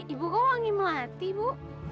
ibu kok wangi melati ibu